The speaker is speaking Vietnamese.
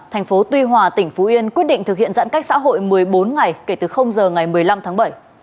thành phố tuy hòa tỉnh phú yên quyết định thực hiện giãn cách xã hội một mươi bốn ngày kể từ giờ ngày một mươi năm tháng bảy